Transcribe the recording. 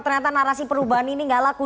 ternyata narasi perubahan ini gak laku